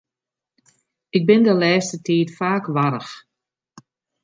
Ik bin de lêste tiid faak warch.